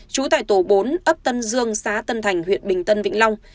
trú tại tổ bốn ấp tân dương xã tân thành huyện bình tân vĩnh long